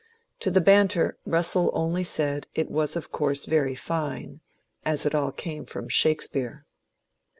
To the banter Russell only said it was of course very fine, as it all came from Shakespeare.